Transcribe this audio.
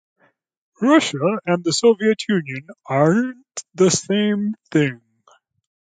Russia and the Soviet Union aren't the same thing.